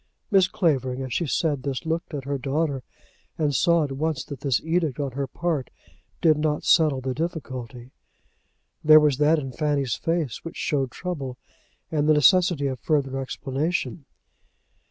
Mrs. Clavering as she said this looked at her daughter, and saw at once that this edict on her part did not settle the difficulty. There was that in Fanny's face which showed trouble and the necessity of further explanation.